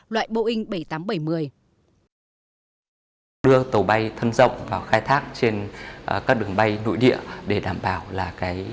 loại boeing bảy nghìn tám trăm bảy mươi